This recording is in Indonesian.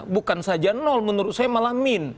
bukan saja nol menurut saya malah min